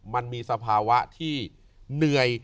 มันมีสภาวะที่เหนื่อย